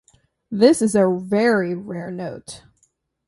This is a very rare note.